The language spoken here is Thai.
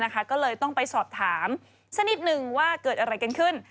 ก็เลยต้องไปสอบถามสักนิดนึงว่าเกิดอะไรกันขึ้น